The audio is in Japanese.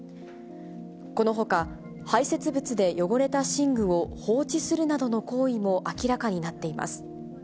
このほか、排せつ物で汚れた寝具を放置するなどの行為も明らかになっています。